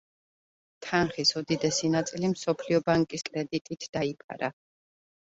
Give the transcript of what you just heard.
თანხის უდიდესი ნაწილი მსოფლიო ბანკის კრედიტით დაიფარა.